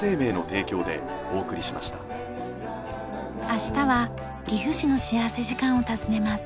明日は岐阜市の幸福時間を訪ねます。